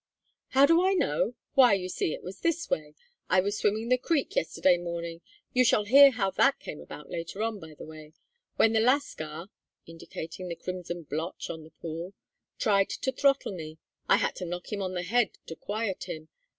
"How do I know? Why, you see, it was this way. I was swimming the creek yesterday morning you shall hear how that came about later on, by the way when the lascar," indicating the crimson blotch on the pool, "tried to throttle me. I had to knock him on the head to quiet him.